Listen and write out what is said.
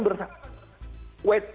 tidak akan terjadi konflik